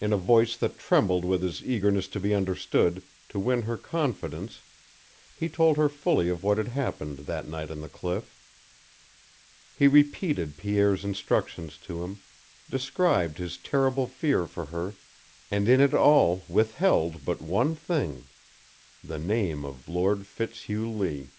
In a voice that trembled with his eagerness to be understood, to win her confidence, he told her fully of what had happened that night on the cliff. He repeated Pierre's instructions to him, described his terrible fear for her, and in it all withheld but one thing the name of Lord Fitzhugh Lee.